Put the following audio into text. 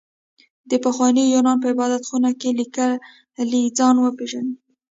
د پخواني يونان په عبادت خونه کې ليکلي ځان وپېژنئ.